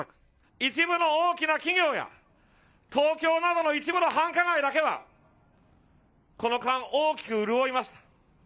一部の大きな企業や、東京などの一部の繁華街だけは、この間大きく潤いました。